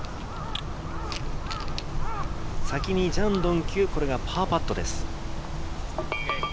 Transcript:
先にジャン・ドンキュ、これがパーパットです。